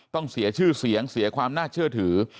ต้องเสียชื่อเสียงเสียความน่าเชื่อถือ